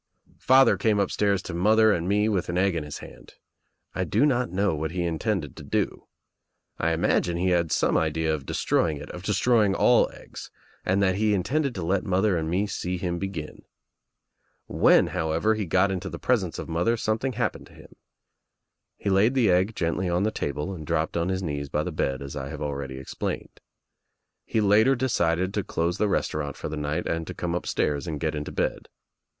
Father came upstairs to mother and me with an egg in his hand. I do not know what he intended to do. I Imagine he had some idea of destroying it, of destroying all eggs, and that he Intended to let mother and me see him begin. When, however, he got into the presence of mother something happened to him. He laid the egg gently on the table and dropped on his knees by the bed as I have already explained. He later decided to close the restaurant for the night and to come upstairs and get into bed.